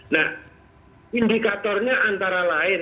nah indikatornya antara lain